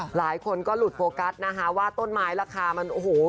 หลายคนก็หลุดโฟกัสนะคะว่าต้นไม้ราคามันโอ้โห